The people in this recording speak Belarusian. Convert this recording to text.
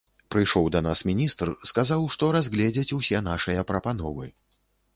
Прыйшоў да нас міністр, сказаў, што разгледзяць усе нашыя прапановы.